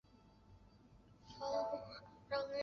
现任陕西省人大常委会副主任。